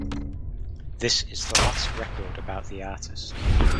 This is the last record about the artist.